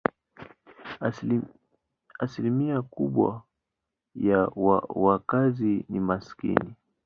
Asilimia kubwa ya wakazi ni maskini.